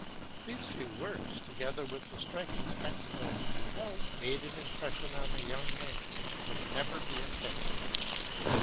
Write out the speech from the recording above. These few words, together with the striking spectacle he beheld, made an impression on the young man which could never be effaced.